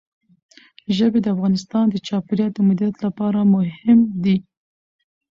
ژبې د افغانستان د چاپیریال د مدیریت لپاره مهم دي.